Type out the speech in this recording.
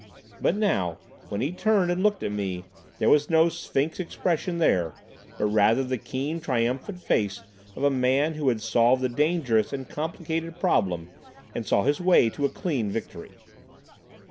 But now, when he turned and looked at me, there was no sphinx expression there, but rather the keen triumphant face of a man who had solved a dangerous and complicated problem, and saw his way to a clean victory.